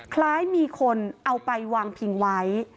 คล้ายมีคนเอาไปวางพิงไว้